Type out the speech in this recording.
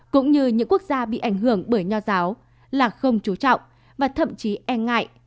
cũng như những quốc gia bị ảnh hưởng bởi nho giáo là không chú trọng và thậm chí e ngại